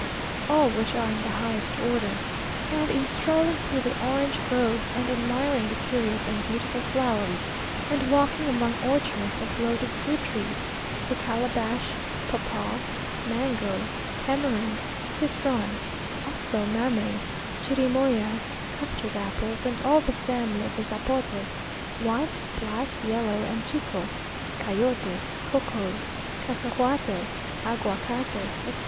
all which are in the highest order; and in strolling through the orange groves, and admiring the curious and beautiful flowers, and walking among orchards of loaded fruit trees the calabash, papaw, mango, tamarind, citron also mameys, chirimoyas, custard apples, and all the family of the zapotes, white, black, yellow, and chico; cayotes, cocoas, cacahuates, aguacates, etc.